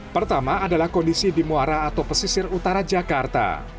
pertama adalah kondisi di muara atau pesisir utara jakarta